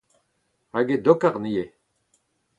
Hag e dokarn ivez.